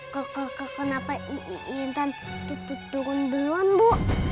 k k k kenapa intan turun duluan bu